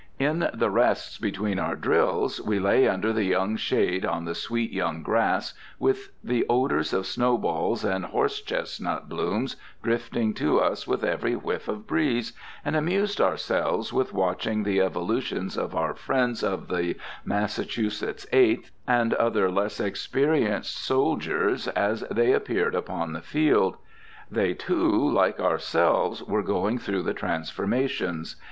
In the rests between our drills we lay under the young shade on the sweet young grass, with the odors of snowballs and horse chestnut blooms drifting to us with every whiff of breeze, and amused ourselves with watching the evolutions of our friends of the Massachusetts Eighth, and other less experienced soldiers, as they appeared upon the field. They, too, like ourselves, were going through the transformations.